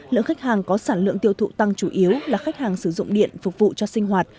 lượng khách hàng có sản lượng tiêu thụ tăng chủ yếu là khách hàng sử dụng điện phục vụ cho sinh hoạt